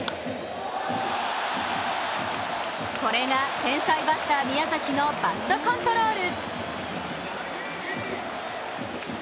これが天才バッター・宮崎のバットコントロール。